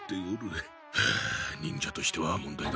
はあ忍者としては問題だな。